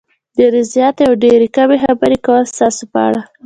ډېرې زیاتې او یا ډېرې کمې خبرې کول ستاسې په اړه